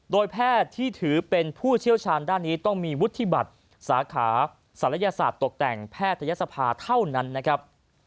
โดยแพทย์ที่ถือเป็นผู้เชี่ยวชาญด้านนี้ต้องมีวุฒิบัตรสาขาศัลยศาสตร์ตกแต่งแพทยศภาเท่านั้นนะครับ